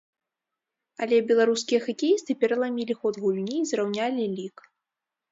Але беларускія хакеісты пераламілі ход гульні і зраўнялі лік!